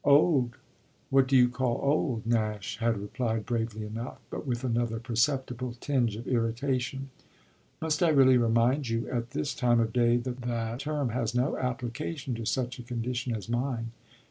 "Old? What do you call old?" Nash had replied bravely enough, but with another perceptible tinge of irritation. "Must I really remind you at this time of day that that term has no application to such a condition as mine?